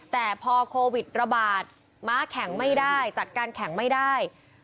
แต่พอโควิดระบาดม้าแข็งไม่ได้จัดการแข่งไม่ได้